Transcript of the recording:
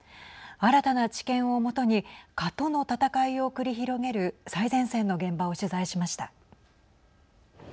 新たな知見を基に蚊との戦いを繰り広げる最前線の現場を取材しました。